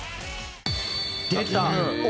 「出た！」